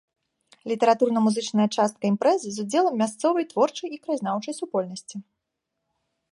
Літаратурна-музычная частка імпрэзы з удзелам мясцовай творчай і краязнаўчай супольнасці.